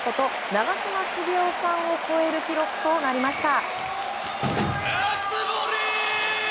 長嶋茂雄さんを超える記録となりました。